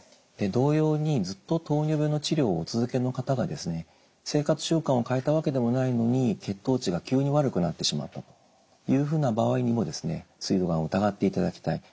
同様にずっと糖尿病の治療をお続けの方がですね生活習慣を変えたわけでもないのに血糖値が急に悪くなってしまったというふうな場合にもですねすい臓がんを疑っていただきたい。